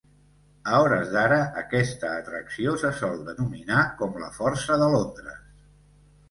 A hores d'ara, aquesta atracció se sol denominar com la "Força de Londres".